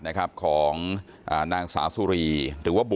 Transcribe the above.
ไม่ตั้งใจครับ